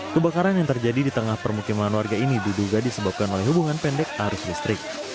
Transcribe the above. kebakaran yang terjadi di tengah permukiman warga ini diduga disebabkan oleh hubungan pendek arus listrik